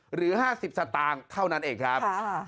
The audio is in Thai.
หรือ๕๐สตางค์เท่านั้นเองครับ